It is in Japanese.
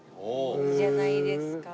いいじゃないですか。